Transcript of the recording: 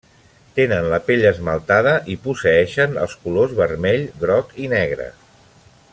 Tenen la pell esmaltada i posseeixen els colors vermell, groc i negre.